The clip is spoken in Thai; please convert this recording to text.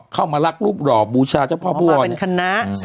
เข้ามารักรูปรอบูชาเจ้าพ่อพู่ง